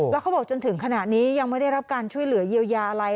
แล้วเขาบอกจนถึงขณะนี้ยังไม่ได้รับการช่วยเหลือเยียวยาอะไร